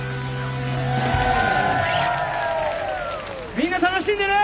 みんな楽しんでる？